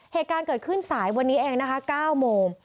เหตุการณ์เกิดขึ้นสายวันนี้เองนะคะ๙โมง